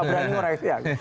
enggak berani ngoreksi ya